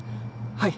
はい。